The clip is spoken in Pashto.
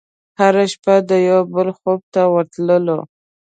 هره شپه د یوه بل خوب ته ورتللو